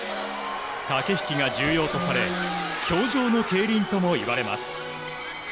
駆け引きが重要とされ氷上の競輪ともいわれます。